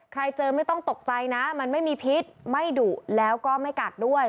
เจอไม่ต้องตกใจนะมันไม่มีพิษไม่ดุแล้วก็ไม่กัดด้วย